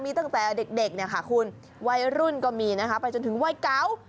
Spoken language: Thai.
มีตั้งแต่เด็กเนี่ยค่ะคุณวัยรุ่นก็มีนะคะไปจนถึงวัยเก่า